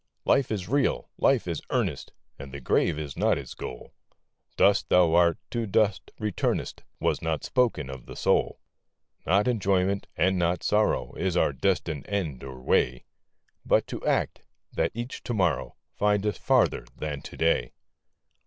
Life is real ! Life is earnest ! And the grave is not its goal ; Dust thou art, to dust returnest, Was not spoken of the soul. VOICES OF THE NIGHT. Not enjoyment, and not sorrow, Is our destined end or way ; But to act, that each to morrow Find us farther than to day.